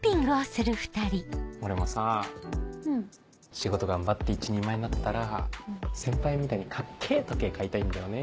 仕事頑張って一人前になったら先輩みたいにカッケェ時計買いたいんだよね